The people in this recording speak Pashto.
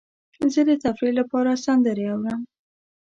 زه د تفریح لپاره سندرې اورم.